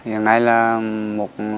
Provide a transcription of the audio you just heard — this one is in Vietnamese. hiện nay là một